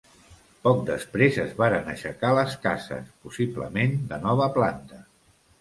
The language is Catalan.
Poc després es varen aixecar les cases, possiblement de nova planta.